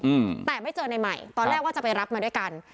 อืมแต่ไม่เจอในใหม่ตอนแรกว่าจะไปรับมาด้วยกัน